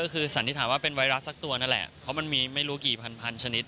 คือสันนิษฐานว่าเป็นไวรัสสักตัวนั่นแหละเพราะมันมีไม่รู้กี่พันชนิด